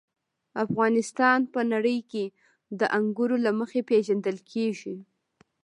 افغانستان په نړۍ کې د انګورو له مخې پېژندل کېږي.